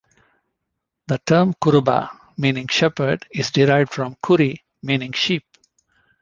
The term "kuruba", meaning "shepherd", is derived from "kuri", meaning "sheep".